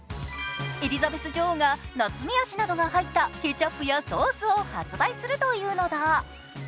エリザベス女王がナツメヤシが入ったケチャップやソースを発売するというのだ。